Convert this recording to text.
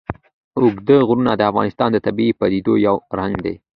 اوږده غرونه د افغانستان د طبیعي پدیدو یو رنګ دی.